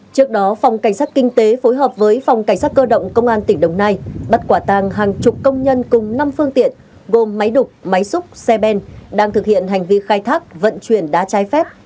trước đó phòng cảnh sát kinh tế phối hợp với phòng cảnh sát cơ động công an tỉnh đồng nai bắt quả tàng hàng chục công nhân cùng năm phương tiện gồm máy đục máy xúc xe ben đang thực hiện hành vi khai thác vận chuyển đá trái phép